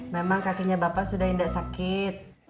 memang kakinya bapak sudah tidak sakit